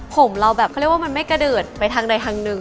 ผมเราแบบเขาเรียกว่ามันไม่กระเดิดไปทางใดทางหนึ่ง